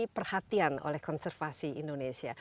perhatian oleh konservasi indonesia